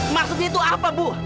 maksudnya itu apa bu